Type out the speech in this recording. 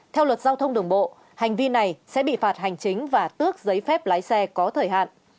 theo luật giao thông đường bộ hành vi này sẽ bị phạt hành chính và tước giấy phép lái xe có thời hạn